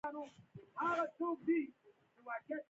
دوی داسې مواد کارول چې ژر بدلیدلی شول.